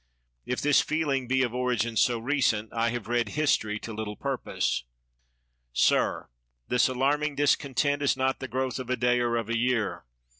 If this feeling be of origin so recent, I have read history to little purpose. Sir, this alarming discontent is not the growth of a day, or of a year.